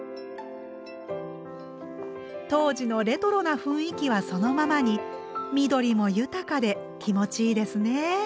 当時のレトロな雰囲気はそのままに緑も豊かで気持ちいいですね。